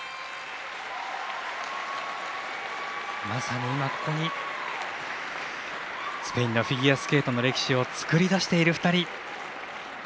まさに今ここにスペインのフィギュアスケートの歴史を作り出している２人。